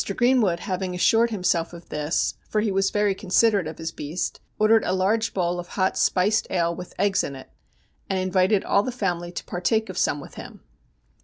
Greenwood having assured himself of this, for he was very considerate of his beast, ordered a large bowl of hot spiced ale with eggs in it, and invited all the family to partake of some with him.